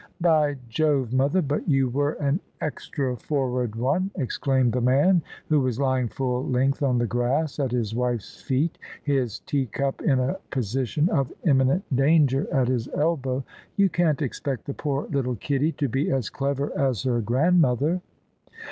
" By Jove, mother, but you were an extra forward one! " exclaimed the man, who was lying full length on the grass at his wife's feet, his tea cup in a position of imminent dan ger at his elbow. " You can't expect the poor little kiddie to be as clever as her grandmother."